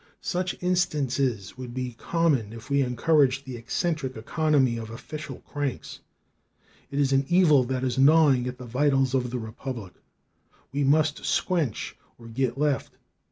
"Such instances would be common if we encouraged the eccentric economy of official cranks. It is an evil that is gnawing at the vitals of the republic. We must squench it or get left.